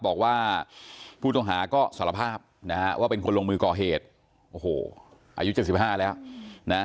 บอกว่าผู้ต้องหาก็สารภาพนะฮะว่าเป็นคนลงมือก่อเหตุโอ้โหอายุ๗๕แล้วนะ